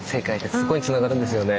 そこにつながるんですよね。